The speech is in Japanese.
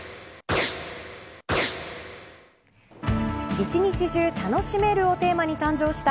一日中楽しめるをテーマに誕生した